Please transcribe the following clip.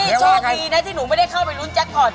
ต้องมีนะที่หนูไม่ได้เข้าไปรุ้นแจ๊คค่อน